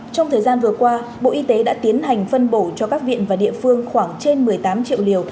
trong thời gian vừa qua bộ y tế đã tiến hành phân bổ cho các viện và địa phương khoảng trên một mươi tám triệu liều